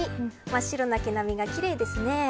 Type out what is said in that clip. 真っ白な毛並みが奇麗ですね。